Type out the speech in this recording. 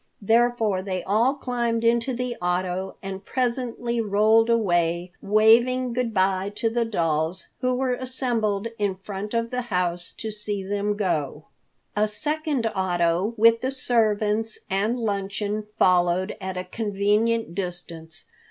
Therefore they all climbed into the auto and presently rolled away, waving good bye to the dolls, who were assembled in front of the house to see them go. A second auto with the servants and luncheon followed at a convenient distance.